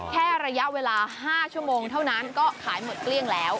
แค่ระยะเวลา๕ชั่วโมงเท่านั้นก็ขายหมดเกลี้ยงแล้ว